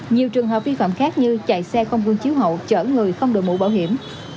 nhiều trường hợp vi phạm khác như chạy xe không gương chiếu hậu chở người không đổi mũ bảo hiểm